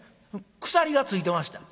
「鎖が付いてました」。